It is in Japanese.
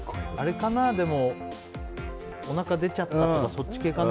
おなかが出ちゃったとかそっち系かな。